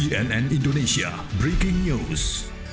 bnn indonesia breaking news